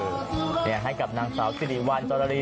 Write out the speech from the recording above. เนี้ยให้กับนางสาวซีริวันจรรารี